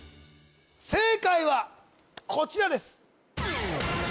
正解はこちらです